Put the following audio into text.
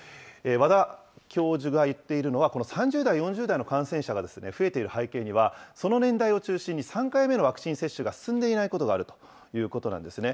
和田教授が言っているのは、この３０代、４０代の感染者が増えている背景には、その年代を中心に、３回目のワクチン接種が進んでいないことがあるということなんですね。